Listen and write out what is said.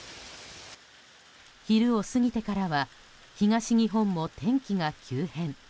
昼を過ぎてからは東日本も天気が急変。